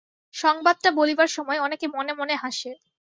সংবাদটা বলিবার সময় অনেকে মনে মনে হাসে।